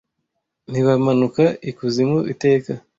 ntibamanuka ikuzimu iteka